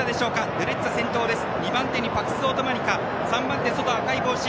ドゥレッツァ、先頭です。